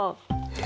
え